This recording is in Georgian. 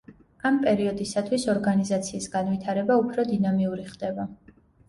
ამ პერიოდისათვის ორგანიზაციის განვითარება უფრო დინამიური ხდება.